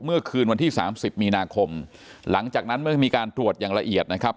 เมื่อคืนวันที่สามสิบมีนาคมหลังจากนั้นเมื่อมีการตรวจอย่างละเอียดนะครับ